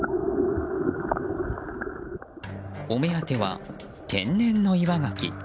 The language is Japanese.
お目当ては天然のイワガキ。